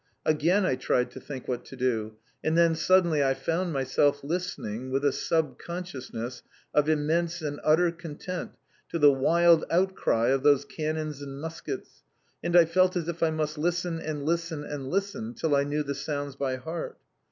Again I tried to think what to do, and then suddenly I found myself listening, with a sub consciousness of immense and utter content, to the wild outcry of those cannons and muskets, and I felt as if I must listen, and listen, and listen, till I knew the sounds by heart.